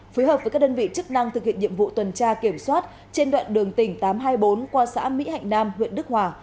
phối hợp với các đơn vị chức năng thực hiện nhiệm vụ tuần tra kiểm soát trên đoạn đường tỉnh tám trăm hai mươi bốn qua xã mỹ hạnh nam huyện đức hòa